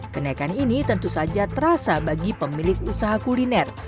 kenaikan ini tentu saja terasa bagi pemilik usaha kuliner